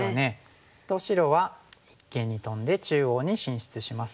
と白は一間にトンで中央に進出します。